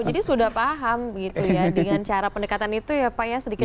jadi sudah paham gitu ya dengan cara pendekatan itu ya pak ya sedikit sedikit